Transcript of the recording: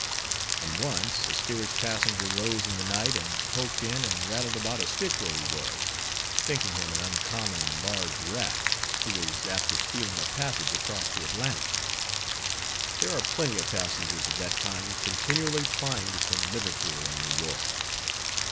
And once a steerage passenger rose in the night and poked in and rattled about a stick where he was, thinking him an uncommon large rat, who was after stealing a passage across the Atlantic. There are plenty of passengers of that kind continually plying between Liverpool and New York.